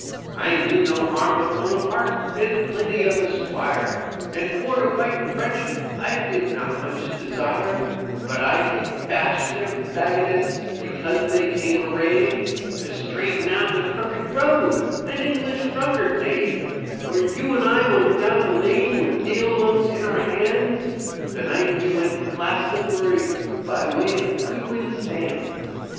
"I knew no harm of Bonaparte and plenty of the Squire, And for to fight the Frenchmen I did not much desire; But I did bash their baggonets because they came arrayed To straighten out the crooked road an English drunkard made, > Digitized by CjOOQIC THE ROAD TO ROUNDABOUT 271 Where you and I went down the lane with ale mugs in our hands The night we went to Glastonbury by way of Goodwin Sands.